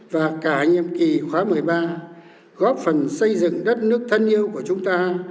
và cả nhiệm kỳ khóa một mươi ba góp phần xây dựng đất nước thân yêu của chúng ta